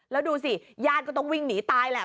แล้วดูสิญาติก็ต้องวิ่งหนีตายแหละ